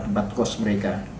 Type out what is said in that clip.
tempat kos mereka